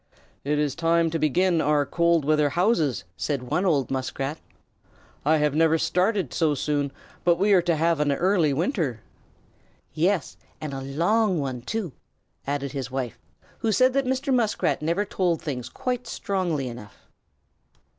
"It is time to begin our cold weather houses," said one old Muskrat, "I have never started so soon, but we are to have an early winter." "Yes, and a long one, too," added his wife, who said that Mr. Muskrat never told things quite strongly enough.